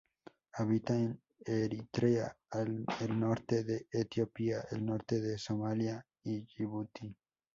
Habita en Eritrea, el norte de Etiopía, el norte de Somalia y Yibuti.